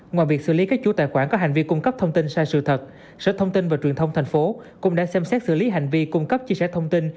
ngoài việc xử lý các chủ tài khoản có hành vi cung cấp thông tin sai sự thật sở thông tin và truyền thông tp hcm cũng đã xem xét xử lý hành vi cung cấp chia sẻ thông tin